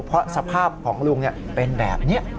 เพราะสภาพของลุงเป็นแบบนี้